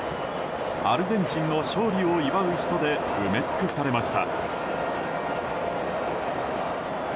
アルゼンチンの勝利を祝う人で埋め尽くされました。